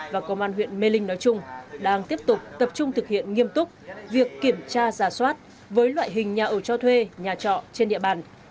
và công an huyện mê linh nói chung đang tiếp tục tập trung thực hiện nghiêm túc việc kiểm tra giả soát với loại hình nhà ở cho thuê nhà trọ trên địa bàn